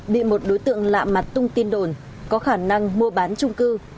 bị một đối tượng lạ mặt tung tin đồn có khả năng mua bán trung cư